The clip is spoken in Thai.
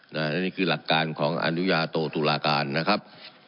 และนี่คือหลักการของอนุญาโตตุลาการนะครับ